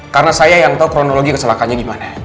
karena saya yang tau kronologi kesalahannya gimana